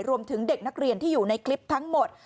รวมถึงเด็กนักเรียนที่อยู่ในคลิปทั้งหมด